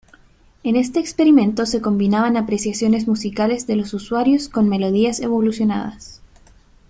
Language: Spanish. En este experimento se combinaban apreciaciones musicales de los usuarios con melodías evolucionadas.